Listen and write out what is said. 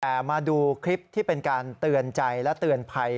แต่มาดูคลิปที่เป็นการเตือนใจและเตือนภัย